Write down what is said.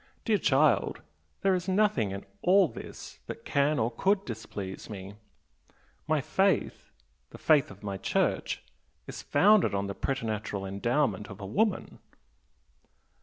Dear child, there is nothing in all this that can or could displease me! My faith the faith of my Church is founded on the preternatural endowment of a woman!"